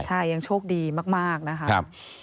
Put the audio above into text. ใช่ยังโชคดีมากนะครับ